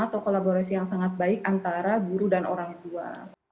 atau kolaborasi yang sangat baik antara guru dan orang tua